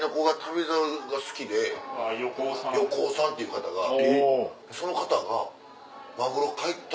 横尾さんっていう方がその方が。